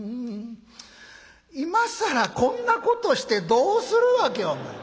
今更こんなことしてどうするわけお前。